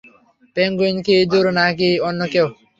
পেঙ্গুইনই কি ইঁদুর, নাকি অন্য কেউ?